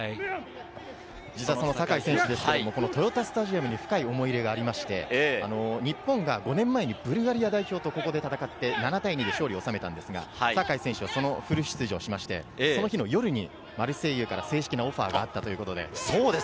酒井選手ですけど、豊田スタジアムに深い思い入れがありまして、日本が５年前にブルガリア代表とここで戦って、７対２で勝利を収めたんですが、酒井選手はフル出場しまして、その日の夜、マルセイユから正式にオファーがあったそうです。